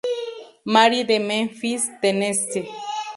Mary de Memphis, Tennessee.